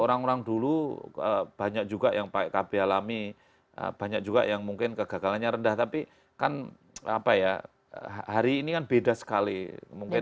orang orang dulu banyak juga yang pakai kb alami banyak juga yang mungkin kegagalannya rendah tapi kan apa ya hari ini kan beda sekali mungkin